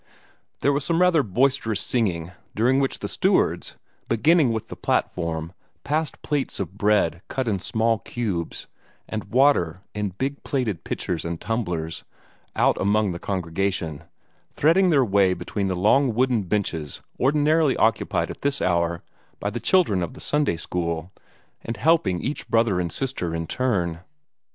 There was some rather boisterous singing, during which the stewards, beginning with the platform, passed plates of bread cut in small cubes, and water in big plated pitchers and tumblers, about among the congregation, threading their way between the long wooden benches ordinarily occupied at this hour by the children of the Sunday school, and helping each brother and sister in turn.